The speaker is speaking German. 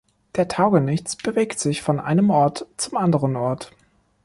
Der Taugenichts bewegt sich von einem Ort zum anderen Ort.